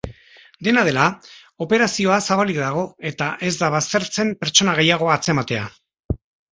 Dena dela, operazioa zabalik dago eta ez da baztertzen pertsona gehiago atzematea.